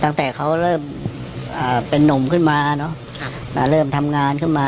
ตั้งแต่เขาเริ่มเป็นนุ่มขึ้นมาเนอะเริ่มทำงานขึ้นมา